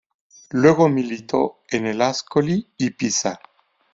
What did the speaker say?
Luego militó en el Ascoli y Pisa.